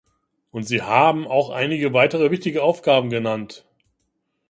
Und Sie haben auch einige weitere wichtige Aufgaben genannt.